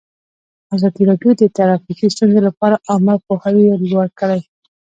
ازادي راډیو د ټرافیکي ستونزې لپاره عامه پوهاوي لوړ کړی.